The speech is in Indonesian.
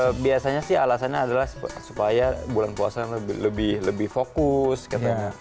jadi biasanya sih alasannya adalah supaya bulan puasa lebih fokus katanya